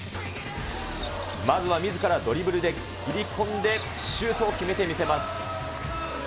まずはみずからドリブルで切り込んでシュートを決めてみせます。